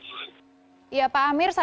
ya pak amir saat ini warga menggunakan garam